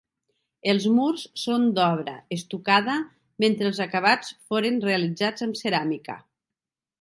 Els murs són d'obra estucada, mentre els acabats foren realitzats amb ceràmica.